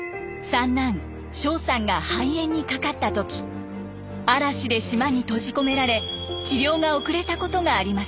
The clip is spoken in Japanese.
三男翔さんが肺炎にかかった時嵐で島に閉じこめられ治療が遅れたことがありました。